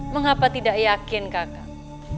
mengapa tidak yakin kakak